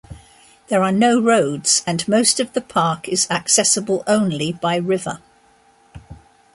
There are no roads and most of the park is accessible only by river.